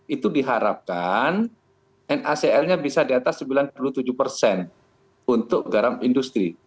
itu diharapkan nacl nya bisa di atas sembilan puluh tujuh persen untuk garam industri